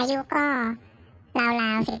อายุก็ราว๑๘๑๙ได้ครับผมเพื่อนพาไป